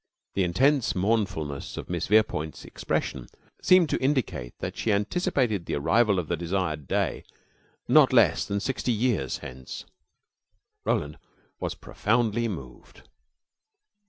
The intense mournfulness of Miss Verepoint's expression seemed to indicate that she anticipated the arrival of the desired day not less than sixty years hence. Roland was profoundly moved.